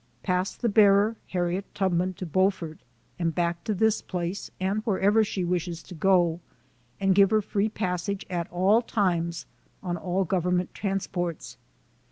Pass the bearer, Harriet Tubman, to Beaufort and back to this place, and wherever she wishes to go ; and give her free passage at all times, on all Gov ernment transports.